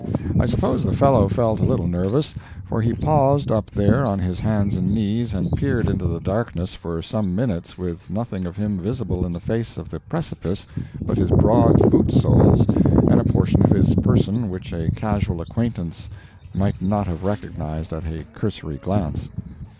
I suppose the fellow felt a little nervous, for he paused up there on his hands and knees and peered into the darkness for some minutes with nothing of him visible in the face of the precipice but his broad boot soles and a portion of his person which a casual acquaintance might not have recognized at a cursory glance.